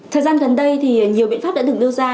thời gian gần đây thì nhiều biện pháp đã được nêu ra